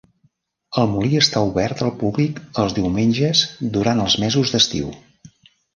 El molí està obert al públic els diumenges durant els mesos d'estiu.